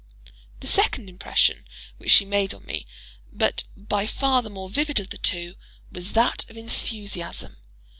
The second impression which she made on me, but by far the more vivid of the two, was that of enthusiasm.